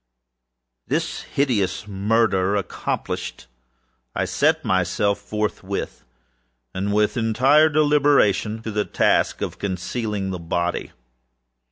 This hideous murder accomplished, I set myself forthwith, and with entire deliberation, to the task of concealing the body.